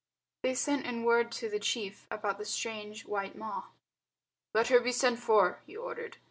They sent in word to the chief about the strange white Ma. "Let her be sent for," he ordered.